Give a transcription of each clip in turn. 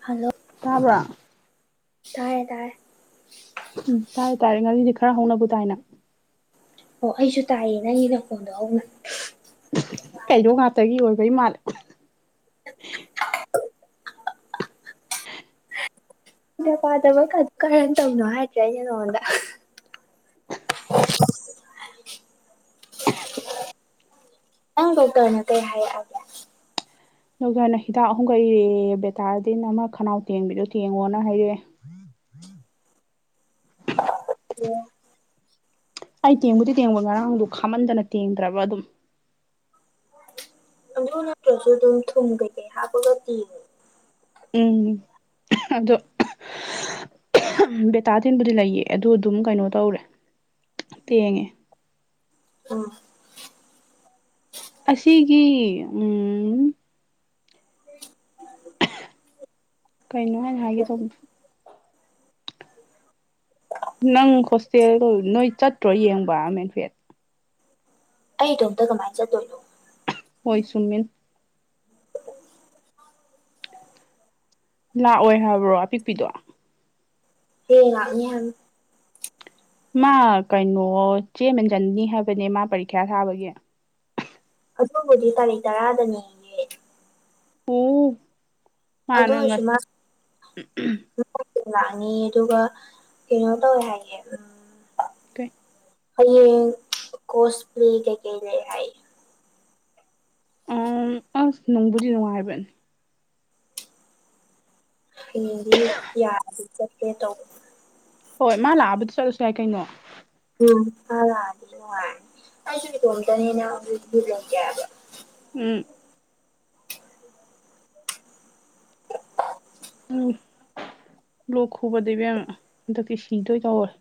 hello ꯇꯥꯕ꯭ꯔꯥ ꯇꯔꯌꯦ ꯇꯔꯌꯦꯦ ꯎꯝ ꯇꯥꯔꯦ ꯇꯥꯔꯦ ꯉꯥꯁꯤꯗꯤ ꯈꯔ ꯍꯧꯅꯕ ꯇꯥꯏꯅ ꯑꯣ ꯑꯩꯁꯨ ꯇꯥꯏꯌꯦ ꯅꯪꯒꯤꯅ ꯐꯣꯟꯗꯣ ꯍꯧꯅ ꯀꯩꯅꯣ ꯉꯥꯛꯇꯒꯤ ꯑꯣꯏꯕꯩ ꯃꯥꯜꯂꯦ ꯗ ꯄꯥꯗꯕ ꯀꯔꯅ ꯇꯧꯅꯣ ꯍꯥꯏꯗ꯭ꯔꯦ ꯑꯩꯅ ꯅꯉꯣꯟꯗ ꯅꯪ ꯗꯣꯛꯇꯔꯅꯠꯇ ꯍꯥꯏꯔꯛꯑꯒꯦ ꯅꯔꯅ ꯍꯤꯗꯥꯛ ꯑꯍꯨꯝ ꯀꯛꯏꯔꯦ ꯕꯦꯇꯥꯔꯗꯤ ꯅ ꯑꯃ ꯈꯅꯥꯎ ꯇꯦꯡꯕꯤꯗꯣ ꯇꯦꯡꯉꯣꯅ ꯍꯥꯏꯔꯛꯑꯦ ꯑꯩ ꯇꯦꯡꯕꯨꯗꯤ ꯇꯦꯡꯕ ꯉꯔꯥꯡꯗꯣ ꯈꯥꯝꯃꯟꯗꯅ ꯇꯦꯡꯗ꯭ꯔꯕ ꯑꯗꯨꯝ ꯑꯗꯨ ꯅꯠꯇ꯭ꯔꯁꯨ ꯑꯗꯨꯝ ꯊꯨꯝꯕꯩ ꯍꯥꯞꯄꯒ ꯇꯤꯔ ꯎꯝ ꯑꯗꯣ ꯕꯦꯇꯥ ꯇꯤꯟꯕꯨꯗꯤ ꯂꯩꯌꯦ ꯑꯗꯨ ꯑꯗꯨꯝ ꯀꯩꯅꯣ ꯇꯧꯔꯦ ꯇꯦꯡꯉꯦ ꯑꯝ ꯑꯁꯤꯒꯤ ꯎꯝ ꯀꯩꯅꯣ ꯍꯥꯏꯅ ꯍꯥꯏꯒꯦ ꯇꯧꯕꯅꯦꯣ ꯅꯪ ꯍꯣꯁꯇꯦꯜ ꯅꯣꯏ ꯆꯠꯇ꯭ꯔꯣ ꯌꯦꯡꯕꯃꯦꯟ ꯐꯨꯦꯠ ꯑꯩ ꯏꯗꯣꯝꯇ ꯀꯃꯥꯏꯅ ꯆꯠꯇꯣꯏꯅꯣ ꯍꯣꯏ ꯆꯟꯃꯦꯟ ꯂꯥꯛꯑꯣꯏ ꯍꯥꯏꯕ꯭ꯔꯣ ꯑꯄꯤꯛꯄꯤꯗꯣ ꯍꯂ ꯌꯦ ꯃꯥ ꯀꯩꯅꯣ ꯆꯦꯃꯦꯟꯖꯟꯅꯤ ꯍꯥꯏꯕꯅꯦ ꯃꯥ ꯄꯔꯤꯈ꯭ꯌꯥ ꯁꯥꯥꯕꯒꯤ ꯑꯣꯕꯨꯗꯤ ꯇꯥꯔꯤꯛ ꯇꯔꯥꯗꯅꯦ ꯑꯣ ꯃꯥꯅ ꯉꯁ ꯑꯗꯨꯁꯨꯃꯥꯏ ꯅꯤ ꯑꯗꯨꯒꯒ ꯍꯩꯅꯣꯗ ꯑꯣꯏ ꯍꯥꯏꯦ ꯎꯝ ꯀ ꯍꯌꯦꯡ ꯀꯣꯁꯄ꯭ꯂꯤ ꯀꯩꯀꯩ ꯂꯩ ꯍꯥꯏ ꯎ ꯑꯁ ꯅꯪꯕꯨꯗꯤ ꯅꯨꯡꯉꯥꯏꯕꯅꯦ ꯎꯗꯤ ꯌꯥꯗꯤ ꯆꯠꯀꯦ ꯇꯧꯕ ꯍꯣꯏ ꯃꯥ ꯂꯥꯛꯑꯕꯗꯤ ꯆꯠꯂꯁꯨ ꯌꯥꯏ ꯀꯩꯅꯣ ꯎꯝ ꯍꯁꯨ ꯇꯣꯗꯅꯤꯕ ꯎꯝ ꯎꯝ ꯂꯣꯛ ꯈꯨꯕꯗ ꯏꯕꯦꯝ ꯍꯟꯗꯛꯇꯤ ꯁꯤꯗꯣꯏ ꯀꯧꯔꯦ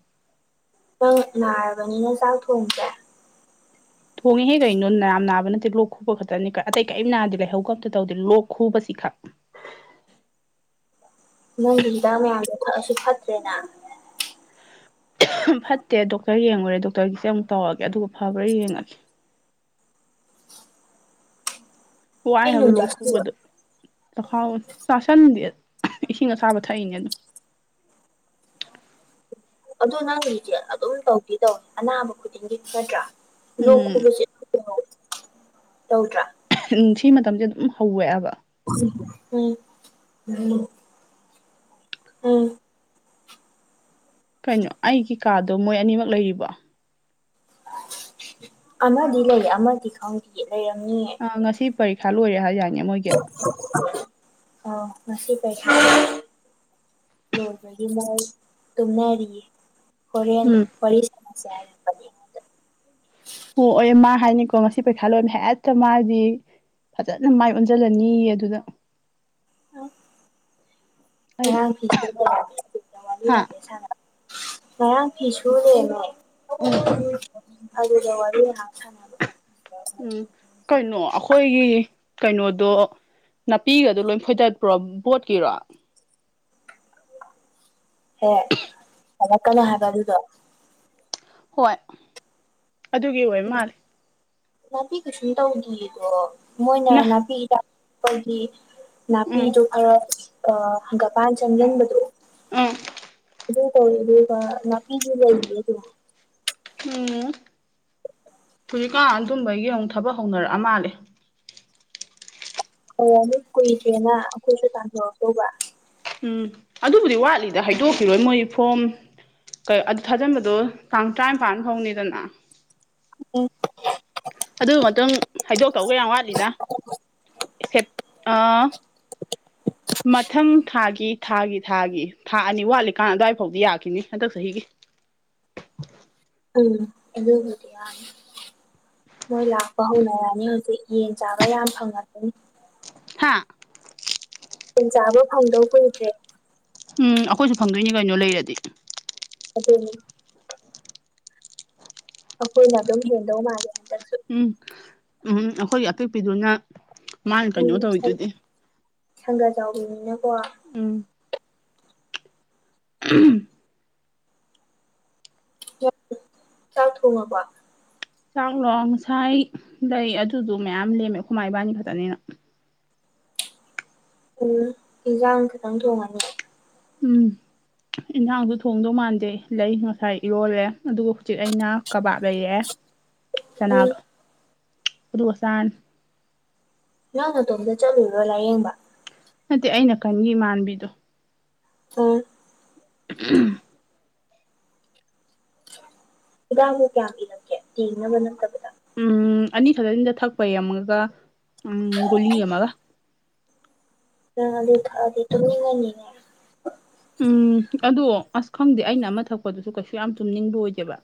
ꯅꯪ ꯅꯥꯔꯕꯅꯤꯅ ꯆꯥꯛ ꯊꯣꯡꯁꯦ ꯊꯣꯡꯉꯦꯍꯦ ꯀꯩꯅꯣ ꯅ ꯅꯥꯕ ꯅꯠꯇꯦ ꯂꯣꯛ ꯈꯨꯕ ꯈꯛꯇꯅꯤ ꯑꯇꯩ ꯀꯔꯤꯝ ꯅꯥꯗꯗꯤ ꯂꯩꯍꯧ ꯀꯞꯇ ꯇꯧꯗꯦ ꯂꯣꯛ ꯈꯨꯕꯁꯤ ꯈꯛ ꯅꯪꯒꯤ ꯍꯤꯗꯥꯛ ꯃꯌꯥꯝꯗꯣ ꯊꯛꯑꯁꯨ ꯐꯠꯇ꯭ꯔꯦꯅ ꯐꯠꯇꯦ ꯗꯣꯛꯇꯔ ꯌꯦꯡꯉꯨꯔꯦ ꯗꯣꯛꯇꯔꯒꯤꯁꯦ ꯑꯃꯨꯛ ꯇꯧꯔꯒꯦ ꯑꯗꯨꯒ ꯐꯕ꯭ꯔꯥ ꯌꯦꯡꯉꯒꯦ ꯍꯏ ꯑꯩ ꯍꯥꯏꯕ ꯅꯨꯡ ꯆꯥꯁꯤꯟꯕ ꯂꯧꯛꯈꯕꯗ ꯆꯈꯥꯎ ꯆꯥꯁꯟꯗꯤ ꯏꯁꯤꯡ ꯑꯆꯥꯥꯕ ꯊꯛꯏꯅꯦ ꯑꯗꯨꯝ ꯑꯗꯨ ꯅꯪ ꯗꯤꯦꯜ ꯑꯗꯨꯝ ꯇꯧꯗꯤ ꯇꯧꯏ ꯑꯅꯥꯕ ꯈꯨꯗꯤꯡꯒꯤ ꯐꯒꯠꯇ꯭ꯔꯥ ꯂꯣꯛ ꯈꯨꯕꯁꯦ ꯇꯧꯗ꯭ꯔꯥ ꯁꯤ ꯃꯇꯝꯁꯦ ꯑꯗꯨꯝ ꯍꯧꯋꯦꯑꯕ ꯎꯝ ꯎꯝ ꯎꯝ ꯀꯩꯅꯣ ꯑꯩꯒꯤ ꯀꯥꯗꯣ ꯃꯣꯏ ꯑꯅꯤꯃꯛ ꯂꯩꯔꯤꯕꯣ ꯑꯃꯗꯤ ꯂꯩ ꯑꯃꯗꯤ ꯈꯪꯗꯦꯌꯦ ꯂꯩꯔꯝꯅꯤꯌꯦ ꯑ ꯉꯁꯤ ꯄꯔꯤꯈꯥ ꯂꯣꯏꯔꯦ ꯍꯥꯏ ꯌꯥꯅꯤ ꯃꯣꯏꯒꯤ ꯑꯥꯎ ꯉꯁꯤ ꯄꯥꯏ ꯂꯣꯟꯕꯒꯤ ꯃꯣꯏ ꯇꯨꯝꯅꯔꯤꯌꯦ ꯍꯣꯔꯦꯟ ꯎꯝ ꯋꯥꯔꯤ ꯁꯃꯁꯌꯥ ꯍꯥꯏꯔꯛꯄꯅꯤ ꯑꯣ ꯑꯣꯏ ꯃꯥ ꯍꯥꯏꯅꯤꯀꯣ ꯉꯁꯤ ꯄꯩꯈꯥ ꯂꯣꯟ ꯍꯦꯛꯇ ꯃꯥꯗꯤ ꯐꯖꯅ ꯃꯥꯏ ꯑꯣꯟꯁꯤꯜꯂꯅꯤ ꯑꯗꯨꯗ ꯑ ꯑꯩꯅ ꯍꯥ ꯍꯥꯏ ꯁ ꯉꯔꯥꯡ ꯐꯤ ꯁꯨꯔꯦꯅꯦ ꯎꯝ ꯑꯗꯨꯗ ꯋꯥꯔꯤ ꯍꯥꯥꯛꯆꯅ ꯎꯝ ꯀꯩꯅꯣ ꯑꯩꯈꯣꯏꯒꯤ ꯀꯩꯅꯣꯗꯣ ꯅꯥꯄꯤꯒꯗꯨ ꯂꯣꯏ ꯐꯣꯏꯗꯠꯄ꯭ꯔꯣ ꯕꯣꯠꯀꯤꯔꯣ ꯍꯦ ꯄꯜꯂꯛꯀꯥꯅꯨ ꯍꯥꯏꯕ ꯑꯗꯨꯗꯣ ꯍꯣꯏ ꯑꯗꯨꯒꯤ ꯑꯣꯏ ꯃꯥꯜꯂꯦ ꯅꯥꯄꯤ ꯀꯩꯁꯨꯝ ꯇꯧꯗꯤꯌꯦꯀꯣ ꯃꯣꯏꯅ ꯅ ꯅꯥꯄꯤ ꯇꯥꯛꯄꯒꯤ ꯎꯝ ꯅꯥꯄꯤꯗꯣ ꯈꯥꯔ ꯍꯪꯒꯄꯥꯟ ꯆꯪꯁꯤꯟꯕꯗꯣ ꯎꯝ ꯑꯗꯨ ꯇꯧꯋꯦ ꯑꯗꯨꯒ ꯅꯥꯄꯤꯁꯨ ꯂꯩꯌꯦ ꯑꯗꯨꯝ ꯎꯝ ꯍꯧꯖꯤꯛꯀꯥꯟ ꯑꯗꯨꯝꯕꯩ ꯑꯃꯨꯛ ꯊꯕꯛ ꯍꯧꯅꯔꯛꯑ ꯃꯥꯜꯂꯦ ꯑꯣ ꯃꯤ ꯀꯨꯏꯗ꯭ꯔꯦꯅ ꯑꯩꯈꯣꯏꯁꯨ ꯇꯥꯟꯊꯣꯔꯛꯇꯧꯕ ꯎꯝ ꯑꯗꯨꯕꯨꯗꯤ ꯋꯥꯠꯂꯤꯗ ꯍꯥꯏꯗꯣꯛꯈꯤꯔꯣꯏ ꯃꯣꯏ ꯐꯣꯝ ꯑꯗꯨ ꯊꯥꯖꯤꯟꯕꯗꯣ ꯇꯥꯡ ꯇꯔꯥꯝꯄꯥꯟ ꯐꯥꯎꯅꯤꯗꯅ ꯎꯝ ꯑꯗꯨ ꯃꯥꯇꯨꯡ ꯍꯥꯏꯗꯣꯛꯇꯧꯒꯥꯛ ꯌꯥꯝ ꯋꯥꯠꯂꯤꯗ ꯁꯦꯞ ꯑꯥ ꯃꯥꯊꯪ ꯊꯥꯒꯤ ꯊꯥꯒꯤ ꯊꯥꯒꯤ ꯊꯥ ꯑꯅꯤ ꯋꯥꯠꯂꯤꯀꯥꯟ ꯑꯗꯨꯋꯥꯏꯐꯥꯎꯗꯤ ꯌꯥꯈꯤꯅꯤ ꯍꯟꯗꯛ ꯆꯍꯤꯒꯤ ꯎꯝ ꯑꯗꯨꯕꯨꯗꯤ ꯌꯥꯅꯤ ꯃꯣꯏ ꯂꯥꯛꯄ ꯍꯧꯅꯔꯅꯤ ꯍꯧꯖꯤꯛ ꯌꯦꯟ ꯆꯥꯕ ꯌꯥꯝ ꯐꯪꯉꯥꯔꯣꯏꯅꯦ ꯍꯥꯥ ꯍꯤꯡꯆꯕ ꯐꯪꯗꯧ ꯀꯨꯏꯗ꯭ꯔꯦ ꯎꯝ ꯑꯩꯈꯣꯏꯁꯨ ꯐꯪꯗꯣꯏꯅꯤ ꯀꯩꯅꯣ ꯂꯩꯔꯗꯤ ꯑꯗꯨꯅꯤ ꯑꯩꯈꯣꯏꯅ ꯑꯗꯨꯝ ꯍꯦꯟꯗꯧ ꯃꯥꯜꯂꯦ ꯍꯟꯗꯛꯁꯨ ꯎꯝ ꯎꯝ ꯑꯩꯈꯣꯏꯒꯤ ꯑꯄꯤꯛꯄꯤꯗꯨꯅ ꯃꯥꯅ ꯀꯩꯅꯣ ꯇꯧꯋꯤꯗꯨꯗꯤ ꯁꯪꯒꯥ ꯆꯥꯎꯕꯤꯅꯤꯅꯀꯣ ꯎꯝ ꯑꯝ ꯆꯥꯛ ꯊꯣꯡꯉꯥꯕ ꯆꯥꯛꯂꯣ ꯉꯁꯥꯏ ꯂꯩ ꯑꯗꯨꯗꯣ ꯃꯌꯥꯝ ꯂꯦꯝꯃꯦ ꯑꯩꯈꯣꯏ ꯃꯥ ꯏꯕꯥꯅꯤ ꯈꯛꯇꯅꯤꯅ ꯎꯝ ꯏꯟꯖꯥꯡ ꯈꯇꯪ ꯊꯣꯡꯉꯥꯅꯤ ꯎꯝ ꯏꯟꯁꯥꯡꯁꯨ ꯊꯣꯡꯗꯧ ꯃꯥꯟꯗꯦ ꯂꯩ ꯉꯁꯥꯏ ꯏꯔꯣꯜꯂꯦ ꯑꯗꯨꯒ ꯍꯧꯖꯤꯛ ꯑꯩꯅ ꯀꯕꯥꯞ ꯂꯩꯌꯦ ꯎꯝ ꯆꯅꯥꯒ ꯑꯗꯨꯒ ꯆꯔꯥꯅꯤ ꯅꯪ ꯅꯇꯣꯝꯇ ꯆꯠꯂꯨꯏꯔꯣ ꯂꯥꯏꯌꯦꯡꯕ ꯅꯠꯇꯦ ꯑꯩ ꯅꯥꯀꯟ ꯏꯃꯥꯟꯅꯕꯤꯗꯣ ꯎꯝ ꯎꯝ ꯍꯤꯗꯥꯡꯕꯨ ꯀꯌꯥꯝ ꯏꯤꯔꯛꯀꯦ ꯇꯦꯡꯅꯕ ꯅꯠꯇꯕꯗ ꯎꯝ ꯑꯅꯤꯈꯛꯇꯅꯤꯗ ꯊꯛꯄꯩ ꯌꯥꯝꯃꯒ ꯎꯝ ꯒꯨꯂꯤ ꯑꯃꯒ ꯅꯪ ꯑꯗꯨ ꯊꯛꯑꯗꯤ ꯇꯨꯝꯅꯤꯡꯉꯥꯅꯤꯅꯦ ꯎꯝ ꯑꯗꯨ ꯑꯁ ꯈꯪꯗꯦ ꯑꯩꯅ ꯑꯃ ꯊꯛꯄꯗꯨꯁꯨ ꯀꯩꯁꯨ ꯌꯥꯝ ꯇꯨꯝꯅꯤꯡꯕ ꯑꯣꯏꯗꯦꯕ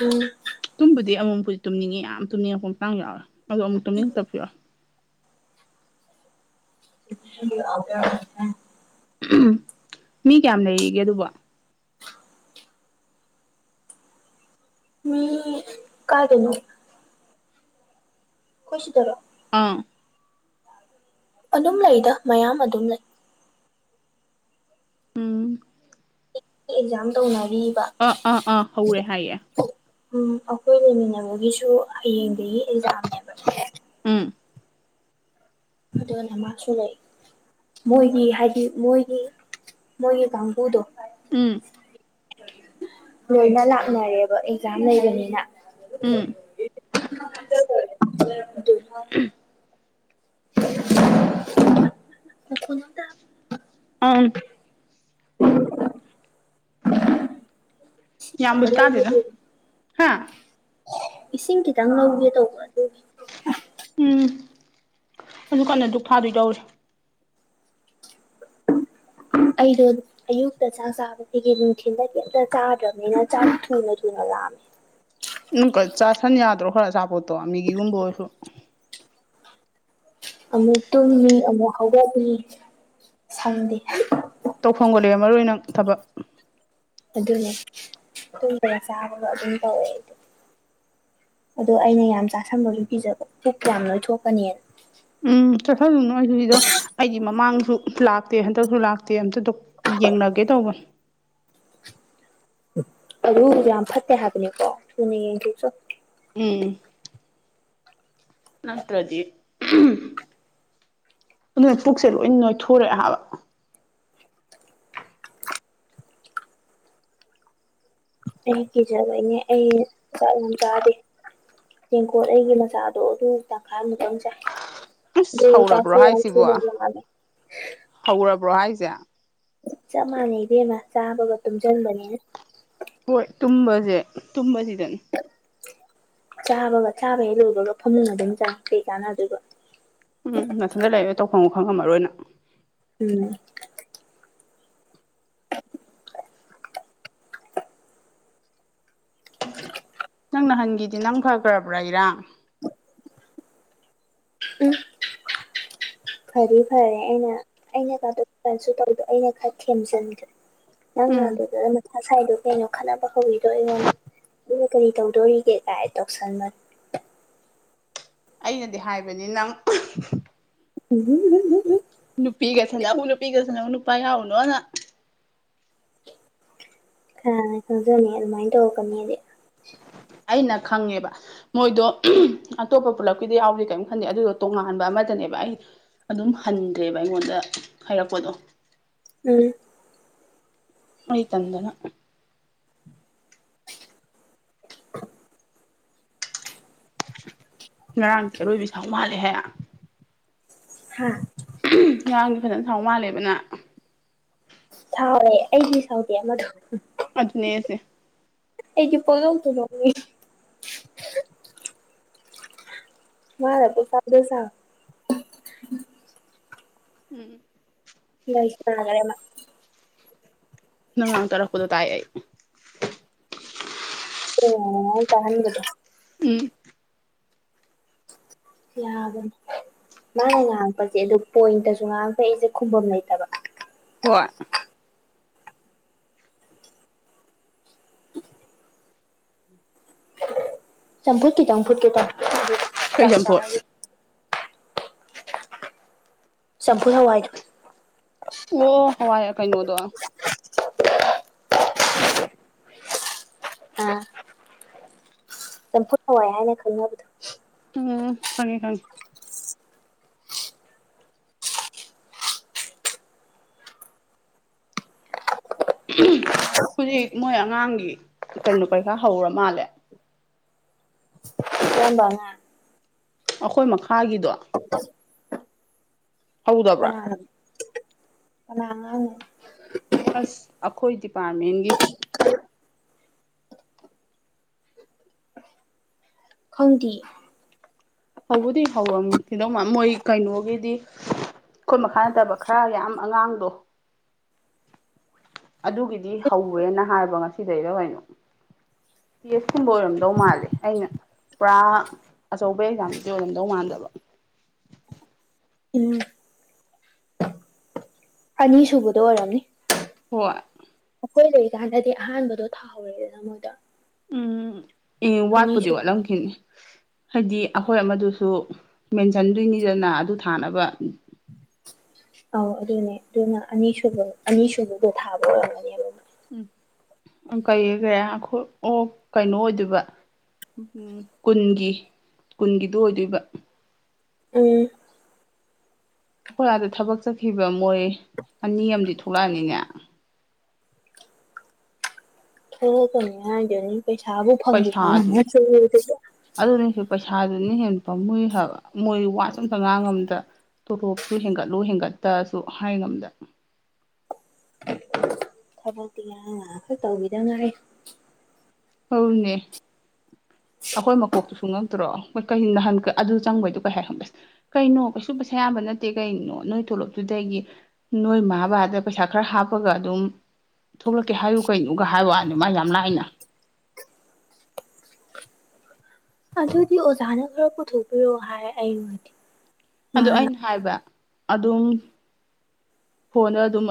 ꯎꯝ ꯇꯨꯝꯕꯨꯗꯤ ꯑꯃꯨꯛ ꯑꯃꯨꯛꯄꯨꯗꯤ ꯇꯨꯝꯅꯤꯡꯉꯤ ꯌꯥꯝ ꯇꯨꯝꯅꯤꯡꯉꯛꯄ ꯃꯇꯥꯡ ꯌꯥꯎꯋꯦ ꯑꯗꯣ ꯑꯃꯨꯛ ꯇꯨꯝꯅꯤꯡꯉꯛꯇꯕꯁꯨ ꯌꯥꯎꯋꯦ [unintelligible] ꯃꯤ ꯀꯌꯥꯝ ꯂꯩꯔꯤꯒꯦ ꯑꯗꯨꯕꯨ ꯃꯤ ꯀꯥꯏꯗꯅꯣ ꯈꯣꯏ ꯁꯤꯗꯔꯣ ꯑꯥ ꯑꯗꯨꯝ ꯂꯩꯗ ꯃꯌꯥꯝ ꯑꯗꯨꯝ ꯂꯩ ꯎꯝ ꯑꯦꯛꯖꯥꯝ ꯇꯧꯅꯔꯤꯕ ꯑꯥ ꯑꯥ ꯑꯥ ꯍꯧꯔꯦ ꯍꯥꯏꯌꯦ ꯎꯝ ꯑꯈꯣꯏ ꯂꯩꯃꯤꯟꯅꯕꯒꯤꯁꯨ ꯍꯌꯦꯡꯗꯒꯤ ꯑꯦꯛꯖꯥꯝꯅꯦꯕ ꯎꯝ ꯑꯗꯨꯅ ꯃꯥꯁꯨ ꯂꯩꯔꯤꯛ ꯃꯣꯏꯒꯤ ꯍꯥꯏꯗꯤ ꯃꯣꯏꯒꯤ ꯃꯣꯏꯒꯤ ꯀꯥꯡꯕꯨꯗꯣ ꯎꯝ ꯂꯣꯏꯅ ꯂꯥꯛꯅꯔꯦꯕ ꯑꯦꯛꯖꯥꯝ ꯂꯩꯕꯅꯤꯅ ꯎꯝ ꯑꯃ ꯃꯈꯣꯟ ꯌꯥꯎꯗ ꯑꯥꯏ ꯌꯥꯝꯕꯨꯗꯤ ꯇꯥꯗꯦꯗ ꯍꯥ [unintelligible] ꯏꯁꯤꯡ ꯈꯤꯇꯪ ꯂꯧꯒꯦ ꯇꯧꯕ ꯑꯗꯨꯒꯤ ꯎꯝ ꯑꯗꯨ ꯀꯟꯅ ꯗꯨꯛ ꯊꯥꯗꯣꯏ ꯇꯧꯔꯤ ꯑꯩꯗꯨꯠ ꯑꯌꯨꯛꯇ ꯆꯥꯛ ꯆꯥꯕꯗꯒꯤ ꯅꯨꯡꯊꯤꯟꯗ ꯀꯩꯝꯇ ꯆꯥꯗ꯭ꯔꯕꯅꯤꯅ ꯆꯥ ꯊꯨꯅ ꯊꯨꯅ ꯂꯥꯝꯃꯦ ꯎꯝ ꯀꯥ ꯆꯥꯁꯟ ꯌꯥꯗ꯭ꯔꯣ ꯈꯔ ꯑꯆꯥꯄꯣꯠꯇꯣ ꯃꯤꯒꯤꯒꯨꯝꯕ ꯑꯣꯏꯔꯁꯨ ꯑꯃꯨꯛ ꯇꯨꯝꯅꯤ ꯑꯃꯨꯛ ꯍꯧꯒꯠꯅꯤ ꯁꯪꯗꯦ ꯇꯧꯐꯝꯒ ꯂꯩꯔꯝꯃꯔꯣꯏ ꯅꯪ ꯊꯕꯛ ꯑꯗꯨꯅꯦ ꯇꯨꯝꯕꯒ ꯆꯥꯕꯒ ꯑꯗꯨꯝ ꯇꯧꯋꯦ ꯑꯩꯗꯨ ꯑꯗꯣ ꯑꯩꯅ ꯌꯥꯝ ꯆꯥꯁꯟꯕꯒꯤ ꯀꯤꯖꯕ ꯄꯨꯛ ꯌꯥꯝ ꯅꯣꯏꯊꯣꯛꯀꯅꯤꯅ ꯎꯝ ꯆꯁꯜꯂꯨꯅꯨ ꯑꯗꯨꯒꯤꯗꯣ ꯑꯩꯗꯤ ꯃꯃꯥꯡꯁꯨ ꯂꯥꯛꯇꯦ ꯍꯟꯗꯛꯁꯨ ꯂꯥꯛꯇꯦ ꯑꯝꯇ ꯗꯣꯛ ꯌꯦꯡꯅꯒꯦ ꯇꯧꯕ ꯑꯗꯨ ꯌꯥꯝ ꯐꯠꯇꯦ ꯍꯥꯏꯕꯅꯤꯀꯣ ꯊꯨꯅ ꯌꯦꯡꯊꯣꯎꯆꯣ ꯎꯝ ꯅꯇ꯭ꯔꯥꯗꯤ ꯑꯗꯨꯅ ꯄꯨꯛꯁꯦ ꯂꯣꯏ ꯅꯣꯏꯊꯣꯔꯛꯑꯦ ꯍꯥꯏꯕ ꯑꯩꯗꯤ ꯀꯤꯖꯕꯩꯅꯦ ꯑꯩꯅ ꯆꯥꯛ ꯌꯥꯝ ꯆꯥꯗꯦ ꯇꯦꯡꯀꯣꯠ ꯑꯩꯒꯤ ꯃꯆꯥꯗꯣ ꯑꯗꯨ ꯇꯪꯈꯥꯏꯃꯨꯛꯇꯪ ꯆꯥꯏ ꯑꯁ ꯑꯗꯨꯅ ꯍꯧꯔꯕ꯭ꯔꯣ ꯆꯥꯛꯁꯨ ꯌꯥꯝ ꯍꯥꯏꯁꯤꯕꯣ ꯊꯨꯅ ꯂꯥꯝꯃꯦ ꯍꯧꯔꯕ꯭ꯔꯣ ꯍꯥꯏꯁꯦ ꯆꯞ ꯃꯥꯟꯅꯩ ꯏꯕꯦꯝꯃ ꯆꯥꯕꯒ ꯇꯨꯝꯖꯟꯕꯅꯤꯅ ꯍꯣꯏ ꯇꯨꯝꯕꯁꯦ ꯇꯨꯝꯕꯁꯤꯗꯅꯤ ꯆꯥꯕꯒ ꯆꯥꯕ ꯍꯦꯛ ꯂꯣꯏꯕꯒ ꯐꯃꯨꯡ ꯑꯗꯨꯝ ꯆꯪꯉꯦ ꯀꯩ ꯀꯥꯟꯅꯗꯣꯏꯕ ꯎꯝ ꯅꯊꯟꯗ ꯂꯩ ꯇꯧꯐꯝ ꯈꯪꯉꯝꯃꯔꯣꯏ ꯅꯪ ꯎꯝ ꯅꯪ ꯅꯍꯥꯟꯒꯤꯗꯤ ꯅꯪ ꯐꯈ꯭ꯔꯕ꯭ꯔꯥ ꯏꯔꯥꯡ ꯎꯝ ꯐꯗꯤ ꯐꯔꯦ ꯑꯩꯅ ꯑꯩꯅ ꯀꯥꯗꯣꯛ ꯀꯁꯨ ꯇꯧꯗꯣ ꯑꯩꯅ ꯈꯔ ꯊꯦꯝꯖꯤꯟꯈ꯭ꯔꯦ ꯅꯪ ꯎꯝ ꯍꯥꯢꯗꯣ ꯀꯔꯝꯕꯅꯣ ꯉꯁꯥꯏꯗꯣ ꯀꯩꯅꯣ ꯈꯠꯅꯕ ꯍꯧꯕꯤꯗꯣ ꯑꯩꯉꯣꯟꯗ ꯅꯪꯅ ꯀꯔꯤ ꯇꯧꯗꯣꯔꯤꯒꯦ ꯀꯥꯏ ꯇꯧꯁꯟꯕꯅꯦ ꯑꯩꯅꯗꯤ ꯍꯥꯏꯕꯅꯤ ꯅꯪ [unintelligible] ꯅꯨꯄꯤꯒ ꯁꯥꯅꯧ ꯅꯨꯄꯤꯒ ꯁꯅꯧ ꯅꯨꯄꯥ ꯌꯥꯎꯅꯣꯅ ꯀꯅ ꯈꯪꯖꯕꯣ ꯑꯗꯨꯃꯥꯏꯅ ꯇꯧꯔꯛꯀꯅꯦꯗꯤ ꯑꯩꯅ ꯈꯪꯉꯦꯕ ꯃꯣꯏꯗꯣ ꯑꯇꯣꯞꯄ ꯄꯨꯂꯞꯀꯤꯗꯤ ꯌꯥꯎꯗꯦ ꯀꯔꯤꯝ ꯈꯟꯗꯦ ꯑꯗꯨꯗꯣ ꯇꯣꯉꯥꯟꯕ ꯑꯃꯗꯅꯦꯕ ꯑꯩ ꯑꯗꯨꯝ ꯍꯟꯗ꯭ꯔꯦꯕ ꯑꯩꯉꯣꯟꯗ ꯈꯥꯏꯔꯛꯄꯗꯣ ꯎꯝ ꯑꯩ ꯇꯟꯗꯅ ꯉꯔꯥꯡꯁꯨ ꯑꯔꯣꯏꯕꯤ ꯁꯥꯎ ꯃꯥꯜꯂꯦ ꯍꯦ ꯍꯥꯥ ꯉꯔꯤꯡꯗꯤ ꯐꯖꯅ ꯁꯥꯎ ꯃꯥꯜꯂꯦꯕ ꯅꯪ ꯍꯥꯎꯋꯦ ꯑꯩꯗꯤ ꯁꯥꯎꯗꯦ ꯑꯃꯗꯨ ꯑꯗꯨꯅꯦꯁꯦ ꯑꯩꯗꯤ ꯄꯨꯡꯅꯣꯡꯇ ꯅꯣꯡꯅꯤꯡꯉꯤ ꯃꯥꯅ ꯇꯨ ꯐꯥꯗꯦ ꯁꯥ ꯎꯝ ꯂꯩꯁꯅꯒꯦ ꯑꯃ ꯅꯨꯡꯉꯥꯡ ꯇꯥꯔꯛꯄꯗꯣ ꯇꯥꯏ ꯑꯩ ꯑꯣ ꯇꯍꯟꯒꯗꯣ ꯎꯝ ꯌꯥꯕꯅꯦ ꯃꯥꯅ ꯉꯥꯡꯉꯛꯄꯁꯦ ꯑꯗꯨ ꯄꯣꯏꯟꯇꯁꯨ ꯉꯥꯡꯉꯛꯄꯩꯏ ꯑꯩꯁꯦ ꯈꯨꯝꯕꯝ ꯂꯩꯇꯕ ꯍꯣꯏ ꯆꯝꯐꯨꯠ ꯈꯤꯇꯪ ꯀꯩ ꯆꯝꯐꯨꯠ ꯆꯝꯐꯨꯠꯀꯦꯇꯧꯅꯤ ꯆꯝꯐꯨ ꯍꯋꯥꯏꯗꯨ ꯑꯣ ꯍꯋꯥꯏ ꯀꯩꯅꯣꯗꯣ ꯎꯝ ꯆꯝꯐꯨꯠ ꯍꯋꯥꯏ ꯍꯥꯏꯅ ꯈꯪꯅꯕꯗꯣ ꯎꯝ ꯈꯪꯉꯦ ꯈꯪꯉꯦ ꯍꯧꯖꯤꯛ ꯃꯣꯏ ꯑꯉꯥꯡꯒꯤ ꯀꯩꯅꯣ ꯄꯩꯈꯥ ꯍꯧꯔ ꯃꯥꯜꯂꯦ ꯀꯔꯝꯕ ꯑꯉꯥꯡ ꯑꯩꯈꯣꯏ ꯃꯈꯥꯒꯤꯗꯣ [inaudible] ꯍꯧꯗꯕ꯭ꯔꯥ ꯀꯅꯥ ꯀꯅꯥꯉ ꯑꯁ ꯑꯩꯈꯣꯏ ꯗꯤꯄꯥꯔꯠꯃꯦꯟꯒꯤ ꯈꯪꯗꯦ ꯍꯧꯕꯗꯤ ꯍꯧꯔꯝꯃꯤ ꯀꯩꯗꯧꯃ ꯃꯣꯏ ꯀꯩꯅꯣꯒꯤꯗꯤ ꯑꯩꯈꯣꯏ ꯃꯈꯥ ꯅꯠꯇꯕ ꯈꯔ ꯌꯥꯝ ꯑꯉꯥꯡꯗꯣ ꯑꯗꯨꯒꯤꯗꯤ ꯍꯧ꯭ꯔꯦꯅ ꯍꯥꯏꯕ ꯉꯁꯤꯗꯩꯔ ꯀꯩꯅꯣ ꯇꯦꯐ ꯀꯨꯝꯕ ꯑꯣꯏꯔꯝꯗꯧ ꯃꯥꯜꯂꯦ ꯑꯩꯅ ꯄꯨꯔꯥ ꯑꯆꯧꯕ ꯑꯦꯛꯖꯥꯝꯁꯤꯗꯤ ꯑꯣꯏꯔꯝꯗꯧ ꯃꯥꯟꯗꯕ ꯎꯝ ꯑꯅꯤꯁꯨꯨꯕꯗ ꯑꯣꯏꯔꯝꯅꯤ ꯍꯣꯏ ꯑꯩꯈꯣꯏ ꯂꯩꯔꯤꯀꯥꯟꯗꯗꯤ ꯑꯍꯥꯟꯕꯗꯣ ꯊꯥꯍꯧꯔꯦꯗꯅ ꯃꯣꯏꯗꯣ ꯎꯝ ꯑꯦ ꯋꯥꯠꯄꯨꯗꯤ ꯑꯅꯤꯁꯨꯕ ꯋꯥꯠꯂꯝꯗꯦ ꯍꯥꯏꯗꯤ ꯑꯩꯈꯣꯏ ꯑꯃꯗꯨꯁꯨ ꯃꯦꯟꯁꯤꯟꯗꯣꯏꯅꯤꯗꯅ ꯑꯗꯨ ꯊꯥꯅꯕ ꯑꯧ ꯑꯗꯨꯅꯦ ꯑꯗꯨꯅ ꯑꯅꯤꯁꯨꯕ ꯑꯅꯤꯁꯨꯕꯗꯣ ꯊꯥꯕ ꯑꯣꯏꯔꯝꯒꯅꯦ ꯎ ꯎ ꯀꯩ ꯀꯦ ꯑꯩꯈꯣꯏ ꯑꯣ ꯀꯩꯅꯣ ꯑꯣꯏꯗꯣꯏꯕ ꯎꯝ ꯀꯨꯟꯒꯤ ꯀꯨꯟꯒꯤꯗꯨ ꯑꯣꯏꯗꯣꯏꯕ ꯑꯝ ꯍꯣꯏ ꯑꯗ ꯊꯕꯛ ꯆꯠꯈꯤꯕ ꯃꯣꯏ ꯑꯅꯤ ꯑꯃꯗꯤ ꯊꯣꯛꯂꯛꯑꯅꯤꯅꯦ ꯊꯣꯛꯀꯅꯤ ꯍꯥꯏꯗꯨꯅꯤ ꯄꯩꯁꯥꯕꯨ ꯐꯪꯕꯨ ꯐꯪꯉꯝꯃꯗꯣ ꯃꯣꯏꯕꯨ ꯑꯗꯨꯅꯤ ꯄꯩꯁꯥꯗꯨꯅ ꯍꯦꯟꯅ ꯄꯝꯃꯨꯏ ꯍꯥꯏꯕ ꯃꯣꯏ ꯋꯥꯠꯁꯨ ꯑꯃꯇ ꯉꯥꯡꯉꯝꯗ ꯇꯣꯔꯣꯞꯁꯨ ꯍꯦꯟꯒꯠꯂꯨ ꯍꯦꯟꯒꯠꯇ꯭ꯔꯁꯨ ꯍꯥꯏ ꯉꯝꯗ ꯊꯕꯛꯇꯤ ꯉꯥꯔꯡ ꯅꯍꯟ ꯈꯥꯛ ꯇꯧꯒꯤꯗꯉꯥꯏꯔꯤ ꯑꯧꯅꯦ ꯑꯩꯈꯣꯏ ꯃꯀꯣꯛꯇꯨꯁꯨ ꯉꯛꯄꯨꯉꯛꯇ꯭ꯔꯣ ꯍꯣꯏ ꯀꯩ ꯅꯍꯟ ꯑꯗꯨ ꯆꯪꯕꯩꯗꯣ ꯀꯩ ꯍꯥꯏ ꯈꯪꯉꯕ ꯑꯁ ꯀꯩꯅꯣ ꯀꯩꯁꯨ ꯄꯩꯁꯥ ꯌꯥꯝꯕ ꯅꯠꯇꯦ ꯀꯩꯅꯣ ꯅꯣꯏ ꯊꯣꯛꯣꯂꯞꯇꯨꯗꯒꯤ ꯅꯣꯏ ꯃꯥꯥꯕꯥꯗ ꯄꯩꯁꯥ ꯈꯔ ꯍꯥꯞꯄꯒ ꯑꯗꯨꯝ ꯊꯣꯛꯂꯛꯀꯦ ꯍꯥꯏꯌꯨ ꯀꯩꯅꯣꯒ ꯍꯥꯏꯕꯅꯤ ꯃꯥ ꯌꯥꯝ ꯂꯥꯏꯏꯅ ꯑꯗꯨꯗꯤ ꯑꯣꯖꯥꯅ ꯈꯔ ꯄꯨꯊꯣꯛꯄꯤꯔꯛꯑꯣ ꯍꯥꯏ ꯑꯩꯔꯗꯤ ꯑꯗꯨ ꯑꯩꯅ ꯍꯥꯏꯕ ꯑꯗꯨꯝ ꯐꯣꯟꯗ ꯑꯗꯨꯝ